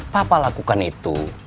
papa lakukan itu